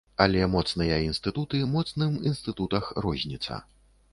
Але моцныя інстытуты моцным інстытутах розніца.